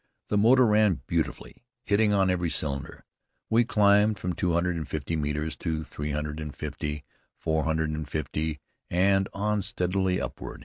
The motor ran beautifully, hitting on every cylinder. We climbed from two hundred and fifty metres to three hundred and fifty, four hundred and fifty, and on steadily upward.